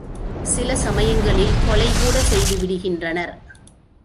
சில சமயங்களில் கொலை கூடச் செய்து விடுகின்றனர்.